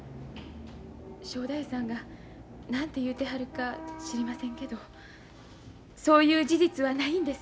正太夫さんが何て言うてはるか知りませんけどそういう事実はないんです。